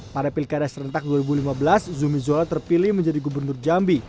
pada pilkada serentak dua ribu lima belas zumi zola terpilih menjadi gubernur jambi